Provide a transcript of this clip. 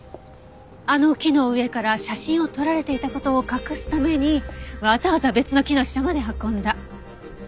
あの木の上から写真を撮られていた事を隠すためにわざわざ別の木の下まで運んだ。